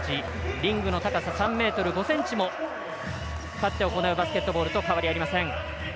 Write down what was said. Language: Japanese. リングの高さ３ｍ５ｃｍも立って行うバスケと変わりありません。